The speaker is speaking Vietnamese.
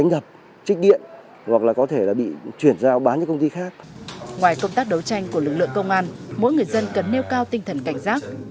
ngoài công tác đấu tranh của lực lượng công an mỗi người dân cần nêu cao tinh thần cảnh giác